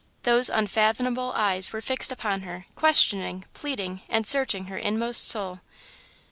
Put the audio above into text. Those unfathomable eyes were fixed upon her, questioning, pleading, and searching her inmost soul.